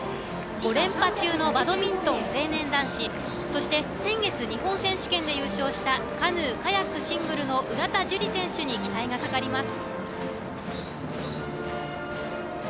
５連覇中のバドミントン成年男子そして先月日本選手権で優勝したカヌー・カヤックシングルの浦田樹里選手に期待がかかります。